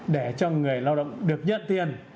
để cho người lao động được nhất tiền